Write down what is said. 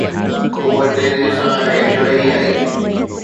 هوءَ تيزيءَ سان هيٺ لهي آئي